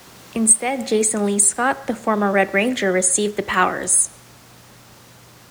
Instead Jason Lee Scott, the former Red Ranger, received the powers.